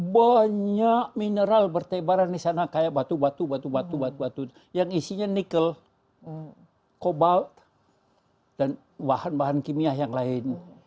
banyak mineral bertebaran di sana kayak batu batu batu batu batu batu yang isinya nikel kobal dan bahan bahan kimia yang lain